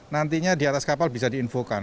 nantinya di atas kapal bisa diinfokan